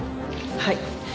はい。